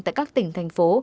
tại các tỉnh thành phố